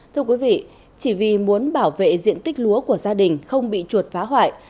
thưa quý vị chỉ vì muốn bảo vệ diện tích lúa của gia đình không bị chuột phá hoại